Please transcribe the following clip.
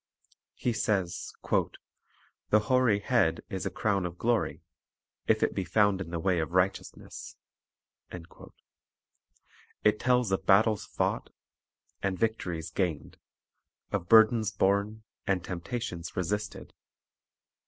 He says, " The hoary head is a crown of glory, if it be found in the way of righteous ness." 2 It tells of battles fought, and victories gained; of burdens borne, and temptations resisted.